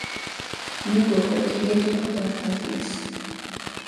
მუ გოკო ქიგედოხოდ ართ ადგილს